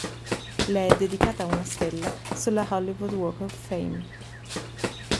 Le è dedicata una stella sulla Hollywood Walk of Fame.